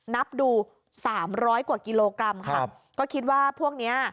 นับดูสามร้อยกว่ากิโลกรัมค่ะก็คิดว่าพวกเนี้ย